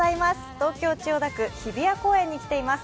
東京・千代田区、日比谷公園に来ています。